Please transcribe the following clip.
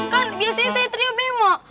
kan biasanya saya trio bemo